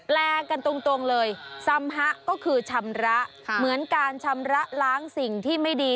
แปลกันตรงเลยซ้ำฮะก็คือชำระเหมือนการชำระล้างสิ่งที่ไม่ดี